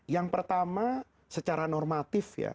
yang pertama secara normatif ya